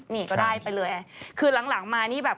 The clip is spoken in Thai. นี่ก็ได้ไปเลยคือหลังมานี่แบบ